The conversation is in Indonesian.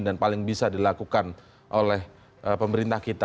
dan paling bisa dilakukan oleh pemerintah kita